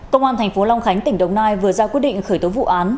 công an tp long khánh tỉnh đồng nai vừa ra quyết định khởi tố vụ án